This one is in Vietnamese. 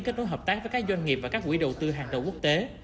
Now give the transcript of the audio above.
kết nối hợp tác với các doanh nghiệp và các quỹ đầu tư hàng đầu quốc tế